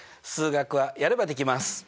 数学はやればできます。